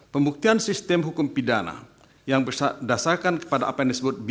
pembuktian sistem hukum pidana yang berdasarkan kepada apa yang disebut